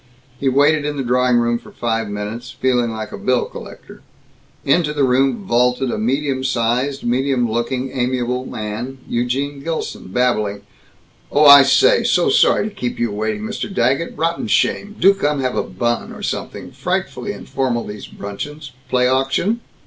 He waited in the drawing room for five minutes, feeling like a bill collector. Into the room vaulted a medium sized, medium looking, amiable man, Eugene Gilson, babbling, "Oh, I say, so sorry to keep you waiting, Mr. Daggett. Rotten shame, do come have a bun or something, frightfully informal these bruncheons, play auction?"